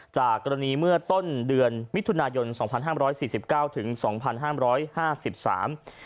จากกรณีเมื่อต้นเดือนมิถุนายนสองพันห้ามร้อยสี่สิบเก้าถึงสองพันห้ามร้อยห้าสิบสาม